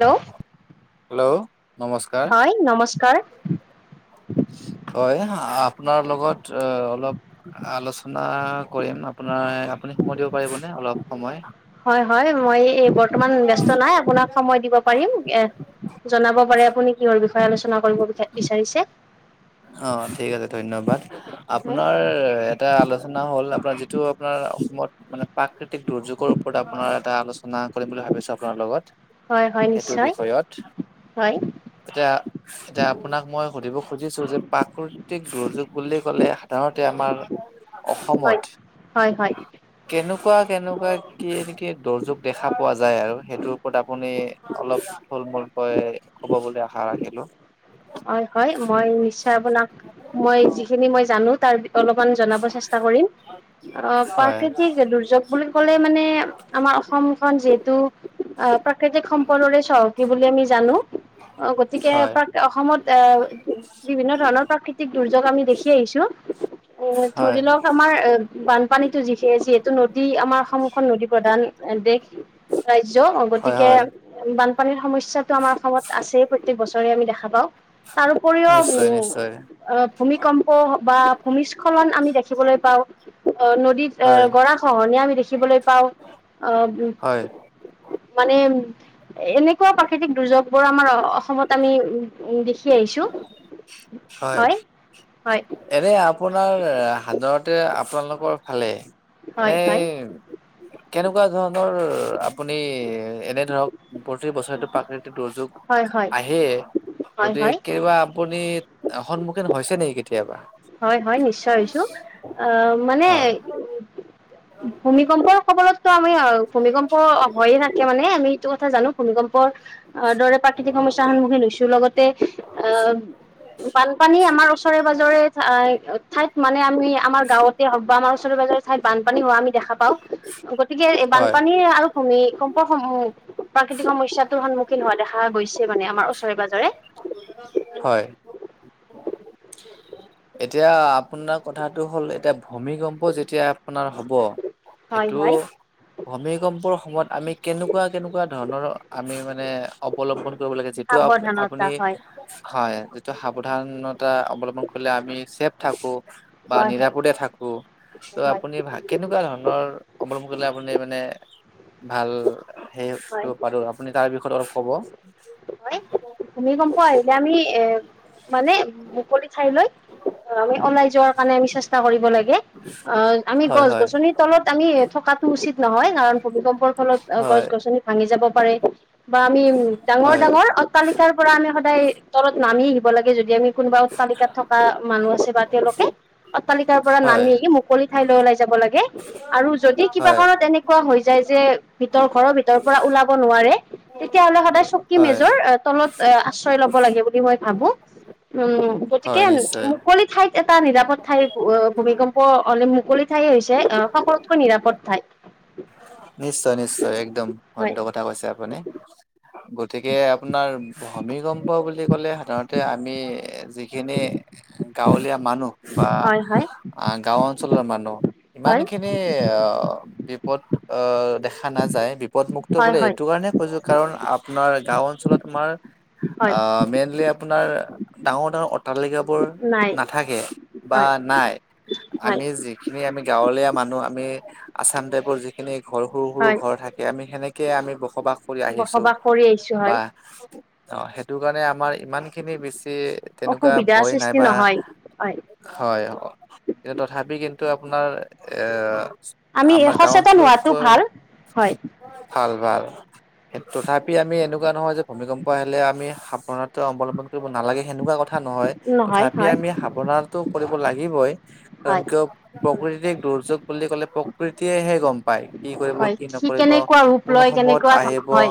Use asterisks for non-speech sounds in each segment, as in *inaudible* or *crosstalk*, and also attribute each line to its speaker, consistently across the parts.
Speaker 1: Hello!
Speaker 2: Hello! নমস্কাৰ।
Speaker 1: হয় নমস্কাৰ
Speaker 2: হয়! আপোনাৰ লগত অলপ আলোচনা কৰিম। আপোনাৰ, আপুনি সময় দিব পাৰিবনে অলপ সময়।
Speaker 1: হয়, হয়। মই এ, বৰ্তমান ব্যস্ত নাই, আপোনাক সময় দিব পাৰিম। এ, জনাব পাৰে আপুনি কিহৰ বিষয়ে। কিবা আলোচনা কৰিব বিচাৰিছে।
Speaker 2: অ'! ঠিক আছে ধন্যবাদ।
Speaker 1: হয়
Speaker 2: আপোনাৰ এটা আলোচনা হ'ল, আপোনাৰ যিটো আপোনাৰ ৰ অসমত মানে প্ৰাকৃতিক দুৰ্যোগৰ ওপৰত আপোনাৰ এটা আলোচনা কৰিম বুলি ভাবিছো আপোনাৰ লগত
Speaker 1: হয় হয়
Speaker 2: সেইটো
Speaker 1: নিশ্চয়
Speaker 2: বিষয়ত
Speaker 1: হয়
Speaker 2: এতিয়া এতিয়া আপোনাক মই সুধিব- খুজিছোঁ যে প্ৰাকৃতিক, দুৰ্যোগ বুলি ক'লে সাধাৰণতে আমাৰ-
Speaker 1: হয়
Speaker 2: অসমত
Speaker 1: হয় হয়
Speaker 2: কেনেকুৱা কেনেকুৱা কি? দুৰ্যোগ দেখা পোৱা যায়। যায় আৰু সেইটোৰ ওপৰত আপুনি অলপ ফুল মূলকৈ কব বুলি আশা ৰাখিলো।
Speaker 1: হয় হয় মই নিশ্চয় আপোনাক মই যিখিনি মই জানো তাৰ অলপ অকমান জনাব চেষ্টা কৰিম অ
Speaker 2: হয়
Speaker 1: প্ৰাকৃতিক দুৰ্যোগ বুলি ক'লে মানে আমাৰ অসমখন যিহেতু প্ৰাকৃতিক সম্পদৰে চহকী বুলি আমি জানো অ গতিকে
Speaker 2: হয়
Speaker 1: এ বিভিন্ন ধৰণৰ প্ৰাকৃতিক দুৰ্যোগ আমি দেখি আহিছো অ
Speaker 2: হয়
Speaker 1: ধৰি লওক আমাৰ এ বানপানীতো যি যিহেতু নদী আমাৰ সন্ুখন নদী প্ৰধান দেশ ৰাজ্য
Speaker 2: হয়
Speaker 1: গতিকে
Speaker 2: হয়
Speaker 1: বানপানীৰ সমস্যা ই্ছো আমাৰ অসমত আছেই পৈটেক বছৰে আমি দেখা পাওঁ তাৰ উপৰিও
Speaker 2: নিশ্চয়
Speaker 1: উম
Speaker 2: নিশ্চয়
Speaker 1: অ ভূমিকম্প বা ভূমিস্খলন আমি দেখিবলৈ পাওঁ অ'! নদীত
Speaker 2: হয়
Speaker 1: অ'! গৰা খহনীয়া আমি দেখিবলৈ পাওঁ অ'!
Speaker 2: হয়
Speaker 1: মানে, এনেকুৱা প্ৰাকৃতিক দুৰ্যোগবোৰ, আমাৰ অসমত আমি দেখি আহিছোঁ।
Speaker 2: হয়, এনে আপোনাৰ সাধাৰণতে আপোনালোকৰ ফালে
Speaker 1: হয়
Speaker 2: এনেই
Speaker 1: হয়
Speaker 2: কেনেকুৱা ধৰণ দৰ আপুনি এনে ধৰক প্ৰতি বছৰেটো প্ৰাকৃতিক দুৰ্যোগ
Speaker 1: হয় হয়
Speaker 2: আহে
Speaker 1: হয় হয়
Speaker 2: গতিক কেতিয়াবা আপুনি সন্মুখীন হৈছে নেকি কেতিয়াবা
Speaker 1: হয় হয় নিশ্চয় হৈছো আহ মানে
Speaker 2: হয়
Speaker 1: ভূমিকম্পৰ কবলতো আমি ভূমিকম্প হয়য়ে থাকে মানে আমি এইটো কথা জানো ভূমিকম্প অ দৰে প্ৰাকৃতিক সমস্যাৰ সন্মুখীন হৈছো লগতে তে আহ বানপানী আমাৰ ওচৰে পাজৰে ঠাই মানে আম আমাৰ গাঁৱতে হও বা আমাৰ ওচৰে পাজৰেৰ ঠাই বানী হোৱা আমি দেখা পাও গতিকে এই
Speaker 2: হয়
Speaker 1: বানপানী আৰু ভূমিকম্প সম প্ৰাকৃতিক সমস্য়াটোৰ সন্মুখীন হোৱা দেখা গৈছে মানে আমাৰ ওচৰে পাজৰে
Speaker 2: হয় এতিয়া আপোনাৰ কথাটো হ'ল এতিয়া ভূমিকম্প যেতিয়া আপোনাৰ হ'ব
Speaker 1: হয়
Speaker 2: সেইটো
Speaker 1: হয়
Speaker 2: ভূমিকম্পৰ সময়ত আমি কেনেকুৱা কেনেকুৱা ধৰণৰ আমি মানে অৱলম্বন কৰিব লাগে যিটো আ আপুনি
Speaker 1: সাৱধানতা হয়
Speaker 2: হয় যিটো সাৱধানতা অৱলম্বন কৰিলে আমি ছেফ থাকো বা
Speaker 1: হয় হয়
Speaker 2: নিৰাপদে থাকো ত'
Speaker 1: হয়
Speaker 2: আপুনি ভ কেনেকুৱা ধৰণৰ অমলম কৰিলে আপুনি মানে ভাল সে
Speaker 1: হয়
Speaker 2: কৰিব পাৰো আপুনি তাৰ বিষয়ত অলপ ক'ব
Speaker 1: হয় ভূমিকম্প আহিলে আমি এ মানে মুকলি ঠাই লৈ
Speaker 2: অ
Speaker 1: অ আমি ওলাই যোৱাৰ কাৰণে আমি চেষ্টা কৰিব লাগে অ আমি
Speaker 2: হয়
Speaker 1: গছ
Speaker 2: হয়
Speaker 1: গছনিৰ তলত আমি থকাটো উচিত নহয় কাৰণ ভূমিকম্পৰ ফলত
Speaker 2: হয়
Speaker 1: গছ গছনি ভাঙি যাব পাৰে বা আমি ডাঙৰ
Speaker 2: হয়
Speaker 1: ডাঙৰ অট্টালিকাৰ পৰা আমি সদায় তলত নামি দিব লাগে যদি আমি কোনোবা তালিকাত থকা মানুহ আছে বা তেওঁলোকে অট্টালিকাৰ পৰা
Speaker 2: হয়
Speaker 1: নামি মুকলি ঠাইলৈ ওলাই যাব লাগে আৰু যদি কিবা
Speaker 2: হয়
Speaker 1: কাৰত এনেকুৱা হৈ যায় যে ভিতৰ ঘৰৰ ভিতৰৰ পৰা ওলাব নোৱাৰে তেতিয়াহলে সদায় চকী
Speaker 2: হয়
Speaker 1: মেজৰ তলত এ আশ্ৰয় লব লাগে বুলি মই ভাবো উম
Speaker 2: হয়
Speaker 1: গতিকে
Speaker 2: নিশ্চয়
Speaker 1: মুকলি ঠাইত এটা নিৰাপদ ঠাই ভূমিকম্প অ মুকলি ঠাই হৈছে অ সকলোতকৈ নিৰাপদ ঠাই
Speaker 2: নিশ্চয় নিশ্চয় একদম
Speaker 1: হয়
Speaker 2: শুদ্ধ কথা কৈছে আপুনি- তিকে আপোনাৰ ভূমিকম্প বুলি ক'লে সাধাৰণতে আমি যিখিনি গাঁৱলীয়া মানুহ বা
Speaker 1: হয় হয়
Speaker 2: গাঁও অঞ্চলৰ মানুহ ইমান
Speaker 1: হয়
Speaker 2: খিনি অহ বিপদ অহ দেখা নাযায় বি পদ মুক্ত
Speaker 1: হয়
Speaker 2: বোলে
Speaker 1: হয়
Speaker 2: এইটো কাৰণে কৈছোঁ কাৰণ আপনাৰ গাঁও অঞ্চলত আমাৰ
Speaker 1: হয়
Speaker 2: আহ, মেইনলি আপোনাৰ ডাঙৰ -ডাঙৰ অট্টালিকা বোৰ
Speaker 1: নাই
Speaker 2: নাথাকে বা
Speaker 1: হয়
Speaker 2: নাই
Speaker 1: হয়
Speaker 2: আমি যিখিনি আমি গাঁৱলীয়া মানুহ আমি আচাম টাইপৰ যিখিনি ঘৰ সৰু -সৰু
Speaker 1: হয়
Speaker 2: ঘৰ থাকে আমি সেনেকে আমি বখ বসবাস কৰি আহিছো
Speaker 1: বসবাস কৰি আহিছো
Speaker 2: বা
Speaker 1: হয়
Speaker 2: অহ সেইটো কাৰণে আমাৰ ইমান খিনি বেছি তেনেকুৱা
Speaker 1: অসুবিধাৰ
Speaker 2: ভয়
Speaker 1: সৃষ্টি
Speaker 2: নাইবা
Speaker 1: নহয় হয়
Speaker 2: হয়, কিন্তু তথাপি কিন্তু আপোনাৰ এ
Speaker 1: আমি এশ চা
Speaker 2: লতকৈ ভাল- ভাল। তথাপি আমি এনেকুৱা নহয় যে ভূমিকম্প আহিলে আমি সাৱধানতা অৱলম্বন কৰিব নালাগে সেনেকুৱা কথা *unintelligible* নহয়
Speaker 1: নহয়
Speaker 2: তথাপি
Speaker 1: হয়
Speaker 2: আমি সাৱধানটো কৰিব লাগিবই কাৰন
Speaker 1: হয়
Speaker 2: কিয় প্ৰকৃতিক দুৰ্যো দুৰ্যোগ বুলি ক'লে প্ৰকৃতিয়েহে গম পাই কি কৰিব
Speaker 1: হয়
Speaker 2: কি
Speaker 1: সি
Speaker 2: নকৰিব
Speaker 1: কেনেকুৱা ৰূপ
Speaker 2: কোন
Speaker 1: লয়
Speaker 2: সময়ত
Speaker 1: কেনেকুৱা
Speaker 2: আহিব
Speaker 1: হয়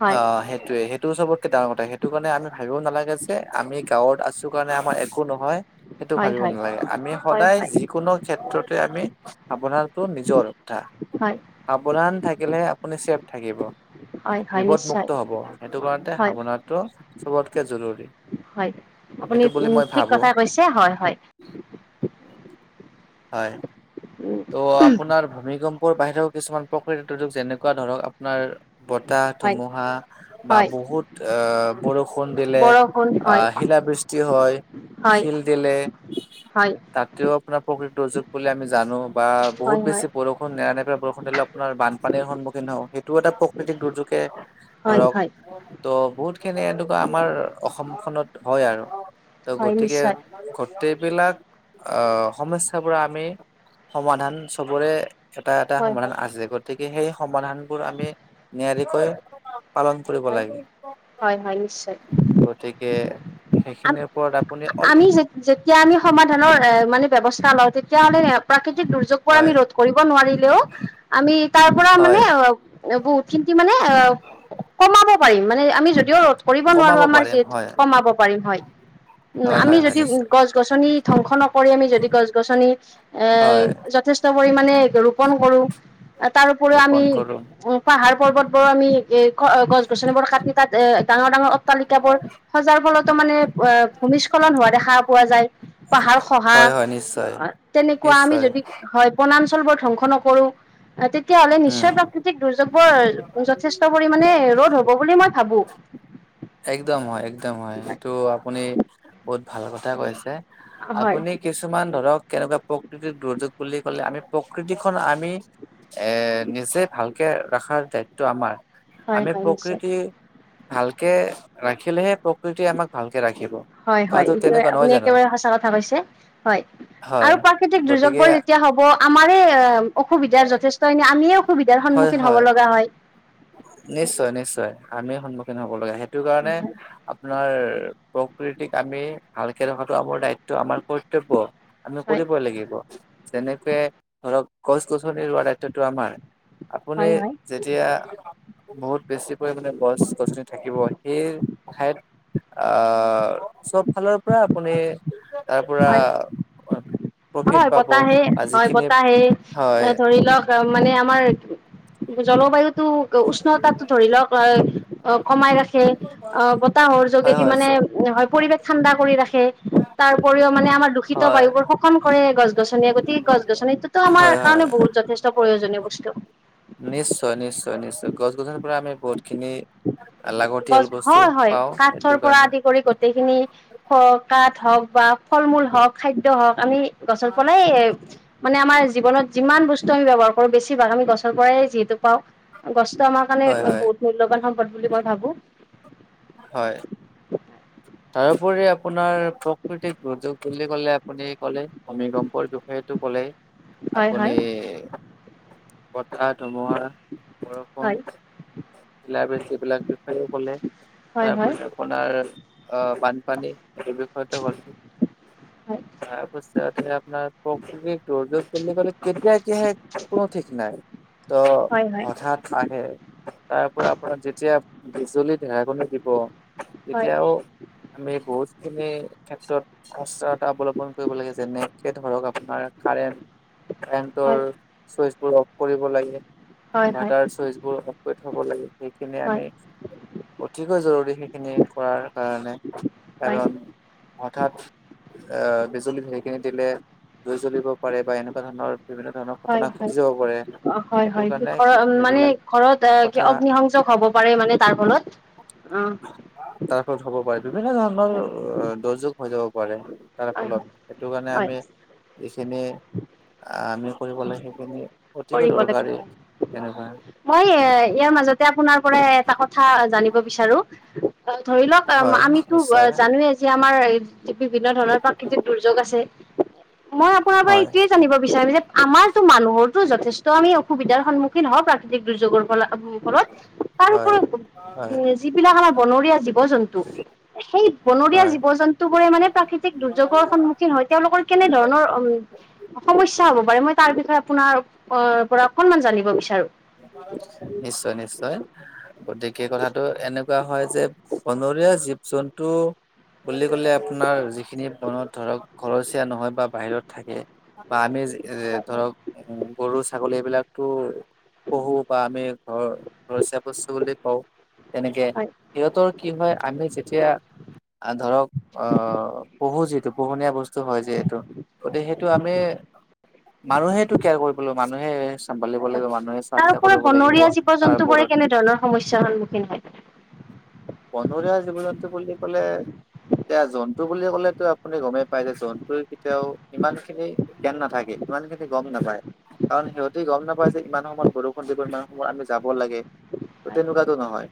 Speaker 1: হয়
Speaker 2: সেইটোৱে। সেইটোও চবতকে ডাঙৰ কথা সেইটো কাৰণে আমি ভাবিব নালাগে যে আমি গাঁৱত আছ সটো কাৰণে আমাৰ একো নহয় সেইটো
Speaker 1: হয়
Speaker 2: ভাবিব
Speaker 1: হয়
Speaker 2: নালাগে আমি
Speaker 1: হয়
Speaker 2: সদায়
Speaker 1: হয়
Speaker 2: যিকোনো ক্ষেত্ৰতে আমি আাৱধাৰটো নিজৰ অথা
Speaker 1: হয়
Speaker 2: সাৱধান থাকিলে আপুনি চেফ থাকিব
Speaker 1: হয় হয় নিশ্চয়
Speaker 2: বিপদমুক্ত হব সেইটো কাৰণতে
Speaker 1: হয়
Speaker 2: ভাৱনাটো চবতকে জৰুৰী
Speaker 1: হয় আপুনি
Speaker 2: সেইটো বুলি মই
Speaker 1: ঠিক
Speaker 2: ভাবো
Speaker 1: কথা কৈছে হয় হয়।
Speaker 2: হয়,
Speaker 1: উম,
Speaker 2: ত' আপোনাৰ ভূমিকম্প *unintelligible* বাহিৰেও কিছুমান প্ৰকৃৃতৰ দুৰ্যোগ যেনেকুৱা ধৰক আপনাৰ বতাহ
Speaker 1: হয়,
Speaker 2: ধুমুহা বা
Speaker 1: হয়,
Speaker 2: বহুত আহ বৰষুণ দিলে
Speaker 1: বৰষুণ হয়,
Speaker 2: আহ, শিলাবৃষ্টি হয়।
Speaker 1: হয়',
Speaker 2: শিল দিলে
Speaker 1: হয়',
Speaker 2: তাতেও আপোনাৰ প্ৰকৃত দুৰ্যোগ বুলি আমি জানো বা বহুত
Speaker 1: হয়, হয়,
Speaker 2: বেছি বৰষুণ নেৰানেপৰা বৰষুণ আপোনাৰ বানপানীৰ সন্মুখীন হও সেইটো এটা প্ৰকৃতিক দুৰ্যোগে।
Speaker 1: হয়,
Speaker 2: ধৰক
Speaker 1: হয়,
Speaker 2: ত' বহুত খিনি এনেকুৱা আমাৰ অসমখনত হয় আৰু। ত'
Speaker 1: হয়,
Speaker 2: গতিকে
Speaker 1: নিশ্চয়,
Speaker 2: গোটেইবিলাক আহ সমস্যাবোৰ আমি সমাধান চবৰে এটা- এটা
Speaker 1: হয়,
Speaker 2: সমাধান
Speaker 1: হয়,
Speaker 2: আছে গতিক সেই সমাধানবোৰ আমি নিয়াৰিকৈ পালন কৰিব
Speaker 1: হয়,
Speaker 2: লাগে
Speaker 1: হয়, হয়, নিশ্চয়।
Speaker 2: *unintelligible* গতিকে সেইখিনিৰ ওপৰত আ
Speaker 1: আমি যে -যেতিয়া আমি সমাধানৰ এ মানে ব্যৱস্থা লওঁ তেতিয়া হ'লে প্ৰাকৃতিক দুৰ্যোগ বোৰ আমি
Speaker 2: হয়
Speaker 1: ৰোধ কৰিব নোৱাৰিলেও আমি তাৰ পৰা মানে
Speaker 2: হয়
Speaker 1: বহুত কি মানে কমাব পাৰিম মানে আমি যদিও কৰিব
Speaker 2: কমাব
Speaker 1: নোৱাৰো আমাৰ
Speaker 2: পাৰিম
Speaker 1: যিহেতু
Speaker 2: হয়
Speaker 1: কমাব পাৰিম হয়। উম,
Speaker 2: হয়
Speaker 1: আমি
Speaker 2: হয় হয়
Speaker 1: যদি
Speaker 2: নিশ্চয়
Speaker 1: গছ -গছনি ধ্বংস নক কৰি আমি যদি গছ- গছনি এ
Speaker 2: হয়
Speaker 1: যথেষ্ট পৰিমানে ৰোপন কৰো তাৰো উপৰিও আমি
Speaker 2: ৰোপন কৰো
Speaker 1: পাহাৰ পৰ্বত বোৰ আমি এ গছ -গছনিবোৰ কাটি তাত এ ডাঙৰ- ডাঙৰ অট্টালিকাবোৰ সজাৰ ফলতো মানে ৱা নিস্খলন হোৱা দেখা পোৱা যায় পাহাৰ খহা
Speaker 2: হয় হয় নিশ্চয়
Speaker 1: অহ, তেনেকুৱা আমি
Speaker 2: নিশ্চয়
Speaker 1: যদি হয় বনাঞ্চল বোৰ ধ্বংস নকৰো অহ, তেতিয়াহ'লে
Speaker 2: উম
Speaker 1: নিশ্চয় প্ৰাকৃতিক দুৰ্যোগবৰ যথেষ্ট পৰিমানে ৰদ হব বুলি মই ভাবো।
Speaker 2: একদম হয় -একদম হয় এইটো আপুনি বহুত ভাল কথা কৈ আছে
Speaker 1: হয়
Speaker 2: আপুনি কিছুমান ধৰক কেনেকুৱা প্ৰকৃতিত দুৰ্যোগ বুলি ক'লে আমি প্ৰকৃতিখন আমি এ নিজে ভাল ৰাখাৰ দায়িত্ব আমাৰ
Speaker 1: হয়
Speaker 2: আমি
Speaker 1: হয় নিশ্চয়
Speaker 2: প্ৰকৃতি ভালকে ৰাখিলেহে প্ৰকৃতি আমাক ভাল
Speaker 1: হয়', হয়', এইটোৱে আপুনি একেবাৰে সঁচা কথা কৈছে হয়।
Speaker 2: হয়।
Speaker 1: আৰু প্ৰাকৃতিক দুৰ্যোগ
Speaker 2: গতিকে
Speaker 1: বোৰ যেতিয়া হব আমাৰে অসুবিধা যথেষ্ট আমিয়ে অসুবিধাৰ
Speaker 2: হয়
Speaker 1: সন্মুখীন
Speaker 2: হয়
Speaker 1: হ'ব লগা হয়
Speaker 2: নিশ্চয় নিশ্চয় আমি সন্মুখীন হব লগা সেইটো কাৰণে আপোনাৰ প্ৰকৃতিক আমি ভালকে ৰখাটো আমাৰ দায়িত্ব আমাৰ কৰ্তব্য আমি
Speaker 1: হয়
Speaker 2: কৰিবই লাগিব যেনেকে ধৰক গছ গছনি ৰোৱা দায়িত্বতটো আমাৰ
Speaker 1: হয়
Speaker 2: আপুনি
Speaker 1: হয় হয়
Speaker 2: যেতিয়া বহুত বেছি পৰিমানে গছ গছনি থাকিব সেই ঠাইত আহ চব ফালৰ পৰা আপুনি তাৰ পৰা
Speaker 1: হয়
Speaker 2: প্ৰফিট
Speaker 1: হয়
Speaker 2: পাব
Speaker 1: বতাহে
Speaker 2: আৰু
Speaker 1: হয়
Speaker 2: যিখিনি
Speaker 1: বতাহে
Speaker 2: হয়
Speaker 1: এ ধৰি লওক মানে আমাৰ জলবায়ুতটো? উষ্ণতাটো ধৰি লওক কমাই ৰাখে অ বতাহৰ
Speaker 2: হয়
Speaker 1: যোগেদি
Speaker 2: হয়
Speaker 1: মানে।
Speaker 2: চ
Speaker 1: পৰিৱেশ ঠাণ্ডা কৰি ৰাখে তাৰ। উপৰিও মানে আমাৰ দূষিত
Speaker 2: হয়
Speaker 1: বায়ু বোৰ শোষণ কৰে গছ গছনিয়ে গতিকে গছ গছনিটোতো আমাৰ
Speaker 2: হয়
Speaker 1: কাৰণে
Speaker 2: হয়
Speaker 1: বহুত যথেষ্ট? প্ৰয়োজনীয় বস্তু।
Speaker 2: নিশ্চয় নিশ্চয় নিশ্চয় গছ গছনি পৰা আমি বহুত। খিনি লাগতিয়াল
Speaker 1: গছ
Speaker 2: বস্তু
Speaker 1: হয় হয়
Speaker 2: পাওঁ সেইটো
Speaker 1: কাঠৰ পৰা
Speaker 2: কাৰণে
Speaker 1: আদি কৰি গোটেইখিনি কাঠ। ধৰক বা। ফল-মূল হওক, খাদ্য হওক আমি গছৰ পলাই মানে আমাৰ জীৱনত যিমান বস্তু ত' আমি ব্যৱহাৰ কৰো বেছিভাগ আমি গছৰ পৰাই যিহেতু পাওঁ গছটো আমাৰ কাৰণে
Speaker 2: হয় হয়
Speaker 1: বহুত মূল্যৱান। সম্পদ বুলি মই ভাবো।
Speaker 2: হয়। তাৰোপৰি আপোনাৰ প্ৰকৃতিক দুৰ্যোগ বুলি কলে আপুনি ক'লে ভূমিকম্পৰ বিষয়টো কলে
Speaker 1: হয়
Speaker 2: আপুনি?
Speaker 1: হয়
Speaker 2: বতাহ, ধুমুহা, বৰষুণ,
Speaker 1: হয়
Speaker 2: শিলাবৃষ্টি, এইবিলাক বিষয়ে কলে
Speaker 1: হয় হয়
Speaker 2: তাৰপৰি আপোনাৰ? আহ বানপানী এই বিষয়তে হল
Speaker 1: হয়
Speaker 2: তাৰপিছত? আপোনাৰ প্ৰকৃতি দৰ জোৰলেলে কেতিয়া কি হয়ে কোনো ঠিক নাই। ত
Speaker 1: হয় হয়
Speaker 2: হঠাৎ আহে। তাৰ পৰা আপোন যেতিয়া বিজুলী ধেৰেকনি দিব
Speaker 1: হয়
Speaker 2: তেতিয়াও? আমি বহুত খিনি ক্ষেত্ৰত সচতা অৱলম্বন কৰিব লাগে যেনেত। ধৰক আপোনাৰ কাৰেণ্ট
Speaker 1: হয়
Speaker 2: কাৰেণ্টৰ চুইচ বোৰ অফ কৰিব লাগে।
Speaker 1: হয় হয় হয়
Speaker 2: বাটাৰ চইচ বোৰ অফ কৰি থব লাগে সেইখিনি আমি। অতিকৈ জৰুৰী সেইখিনি কৰাৰ।
Speaker 1: হয়
Speaker 2: কাৰণ হঠাৎ আহ বিজুলী ধেৰেকনি দিলে। জুই জ্বলিব পাৰে বা এনেকুৱা ধৰণৰ বিভিন্ন ধৰণৰ ঘটনা
Speaker 1: হয়
Speaker 2: ঘটি যাব পাৰে
Speaker 1: হয়
Speaker 2: সেইটো
Speaker 1: হয়
Speaker 2: কাৰণে।
Speaker 1: ঘৰ মানে
Speaker 2: এইবিলাক
Speaker 1: ঘৰত অ কি
Speaker 2: কথা
Speaker 1: অগ্নিসংযক হ'ব পাৰে মানে তাৰ ফলত। আহ
Speaker 2: তাৰ ফলত বিভিন্ন ধৰণৰ অ দুৰ্যোগ হৈ যাব পাৰে। তাৰ
Speaker 1: হয় হয়
Speaker 2: ফলত সেইটো কাৰণে
Speaker 1: হয়
Speaker 2: আমি যিখিনি আমি কৰিব লাগে সেইখিনি? অতিকৈ
Speaker 1: কৰিব লাগে
Speaker 2: দৰকাৰী
Speaker 1: হয়
Speaker 2: তেনেকুৱা।
Speaker 1: মই এ
Speaker 2: হয়
Speaker 1: ইয়াৰ মাজতে আপোনাৰ পৰা এটা কথা জানিব বিচাৰো। অ ধৰি লওক
Speaker 2: হয়
Speaker 1: আমিতো
Speaker 2: নিশ্চয়
Speaker 1: জানোৱে যে আমাৰ। বিভিন্ন ধৰণৰ প্ৰাকৃতিক দুৰ্যোগ আছে। মই আপোনাৰ পৰা
Speaker 2: হয়
Speaker 1: এইটোয়ে জানিব বিচাৰিম যে আমাৰটো মানুহৰ। যথেষ্ট আমি অসুবিধাৰ সন্মুখীন হওঁ প্ৰাকৃতিক দুৰ্যোগৰ ফলত। ঘৰত
Speaker 2: হয়
Speaker 1: তাৰপৰি
Speaker 2: হয়
Speaker 1: যিবিলাক আমাৰ বনৰীয়া জীৱ জন্তু। সেই বনৰীয়া
Speaker 2: হয়
Speaker 1: জীৱ জন্তু বোৰে মানে প্ৰাকৃতিক দুৰ্যোগৰ সন্মুখীন হয় তেওঁলোকৰ কেনেধৰণৰ উম। সমস্যা হব পাৰে মই তাৰ বিষয়ে আপোনাৰ অ পৰা অকনমান জানিব বিচাৰো।
Speaker 2: নিশ্চয় নিশ্চয় গতি। সেই কথাটো এনেকুৱা হয় যে বনৰীয়া জীৱ জন্তু। বুলি কলে আপোনাৰ যিখিনি মনত ধৰক ঘৰচীয়া নহয় বা বাহিৰত থাকে বা আমি। এ
Speaker 1: হয়
Speaker 2: ধৰক গৰু ছাগলী এইবিলাকতো? পঢ়ো বা আমি ঘৰ ঘৰচিয়া বস্তু বুলি কওঁ। তেনেকে
Speaker 1: হয়
Speaker 2: সিহঁতৰ কি হয় আমি যেতিয়া ধৰক আহ। পহো যিহেতু পোহনীয়া বস্তু হয় যিহেতু গতিকে সেইটো আমি। মানুহেটো কেয়াৰ কৰিব লাগিব মানুহে চম্ভালিব লাগিব ম।
Speaker 1: তাৰপ বনৰীয়া জীৱ জন্তু বোৰে কেনে ধৰণৰ সমস্যাৰ সন্মুখীন হয়।
Speaker 2: বনৰীয়া জীৱ জন্তু বুলি কলে। এতিয়া জন্তু বুলি ক'লেতো আপুনি গমেই পায় যে জন্তুৰ কেতিয়াও ইমান খিনি জ্ঞান নাথাকে ইমান খিনি। গম
Speaker 1: হয়
Speaker 2: নাপায় কাৰণ সিহঁতে গম নাপায় যে ইমান সময়ত বৰষুণ দিব ইমান সময়ত আমি যাব লাগে। তহ
Speaker 1: হয়
Speaker 2: তেনেকুৱাটো নহয়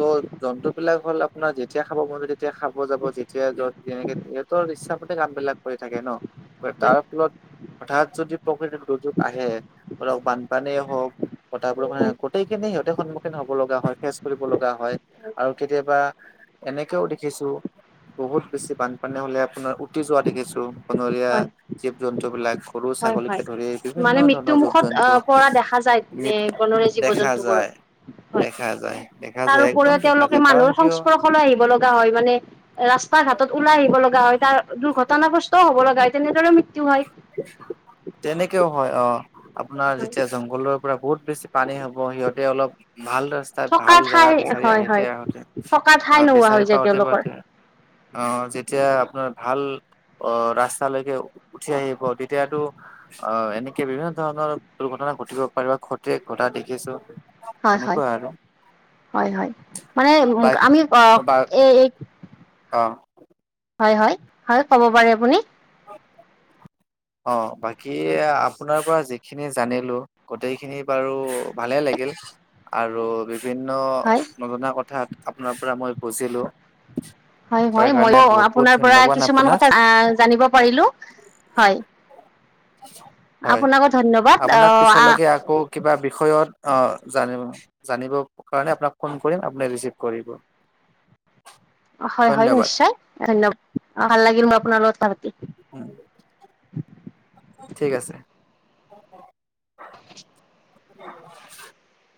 Speaker 2: তহ জন্তুবিলাক হ'ল আপোনাৰ যেতিয়া খাব মন তেতিয়া- খাব যাব যেতিয়া যত তেনেকে সিহঁতৰ ইচ্ছামতে কাম বিলাক কৰি থাকে নহ-
Speaker 1: হয়
Speaker 2: তাৰ ফলত হঠাৎ যদি প্ৰকৃতিৰ দুৰ্যোগ আহে ধৰক বানপানীয়ে হওক- কথাবোৰ মানে
Speaker 1: হয়
Speaker 2: গোটেইখিনি সিহঁতে সন্মুখীন হব লগা হয় ফেচ কৰিব লগা হয় আৰু কেতিয়াবা। এনেকেও দেখিছোঁ বহুত বেছি বানপানী হলে আপোনাৰ উটি যোৱা দেখিছোঁ। বনৰীয়া
Speaker 1: হয়
Speaker 2: জীৱ জন্তু বিলাক গৰু
Speaker 1: হয়
Speaker 2: ছাগলীকে
Speaker 1: হয়
Speaker 2: ধৰি বিভিন্ন
Speaker 1: মানে
Speaker 2: ধৰণৰ যদি
Speaker 1: মৃত্যুমুখত আহ পৰা দেখা যায় এ
Speaker 2: মৃত
Speaker 1: বনৰীয়া জীৱ
Speaker 2: দেখা যায় দেখা যায়। দেখা যায় একদম
Speaker 1: তাৰপৰিও
Speaker 2: দেখা
Speaker 1: তেওঁলোকে
Speaker 2: যায় কাৰণ
Speaker 1: মানুহৰ
Speaker 2: কিয়
Speaker 1: সংস্পৰ্শলৈ আহিব লগা হয় মানে ৰাস্তা ঘাটত ওলাই আহিব লগা হয়। তাৰ দুৰ্ঘটনাগ্ৰস্ত হব লগা হয় তেনেদৰে মৃত্যু হয়।
Speaker 2: তেনেকেও হয় অ আপোনাৰ যেতিয়া জংঘলৰ পৰা বহুত বেছি পানী হ'ব সিহঁতে অলপ- ভাল ৰাস্তাত
Speaker 1: থকা
Speaker 2: ভাল
Speaker 1: ঠাই
Speaker 2: জেগা বিচাৰি
Speaker 1: হয়
Speaker 2: আহিতে
Speaker 1: হয়
Speaker 2: আহোঁতে
Speaker 1: থকা ঠাই
Speaker 2: আহ
Speaker 1: নোহোৱা
Speaker 2: বিচাৰি
Speaker 1: হৈ যায়
Speaker 2: পাওতে
Speaker 1: তেওঁলোকৰ
Speaker 2: পাওঁতে - অ যেতিয়া আপোনাৰ ভাল অ ৰাস্তালৈকে- উঠি আহিব তেতিয়াতো অ এনেকে বিভিন্ন ধৰণৰ দুৰ্ঘটনা ঘটিব পাৰে ঘতে - দেখিছোঁ
Speaker 1: হয় হয়
Speaker 2: তেনেকুৱা আৰু-
Speaker 1: হয় হয় মানে উ
Speaker 2: বা
Speaker 1: আমি এই-
Speaker 2: অঁহ
Speaker 1: হয় হয় হয় ক'ব পাৰে আপুনি।
Speaker 2: হয় অহ বাকি আপোনাৰ পৰা যিখিনি জানিলোঁ গোটেইখিনি বাৰু ভালে লাগে। আৰু বিভিন্ন
Speaker 1: হয়
Speaker 2: নজনা কথাত আপোনাৰ পৰা মই বুজিলোঁ।
Speaker 1: হয় হয় মই আপোনাৰ পৰা
Speaker 2: ধন্যবাদ
Speaker 1: কিছুমান
Speaker 2: আপোনাক
Speaker 1: কথা জানিব পাৰিলোঁ। হয়।
Speaker 2: হয়
Speaker 1: আপোনাকো ধন্যবাদ
Speaker 2: আপোনাক
Speaker 1: আহ আ-
Speaker 2: পিছলৈকে আকৌ কিবা বিষয়ত অঁ জানিব জানিব কাৰণে আপোনাক ফোন কৰিম আপুনি ৰিচিভ কৰিব। *inaudible*
Speaker 1: হয় হয়
Speaker 2: ধন্যবাদ
Speaker 1: নিশ্চয় ধন্যবাদ অ ভাল লাগিল মই আপোনাৰ লগত কথা‌ পাতি।
Speaker 2: ঠিক আছে। উ *unintelligible*